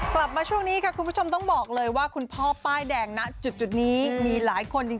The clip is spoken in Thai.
กลับมาช่วงนี้ค่ะคุณผู้ชมต้องบอกเลยว่าคุณพ่อป้ายแดงนะจุดนี้มีหลายคนจริง